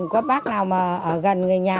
có bác nào mà ở gần người nhà